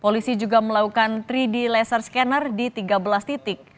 polisi juga melakukan tiga d laser scanner di tiga belas titik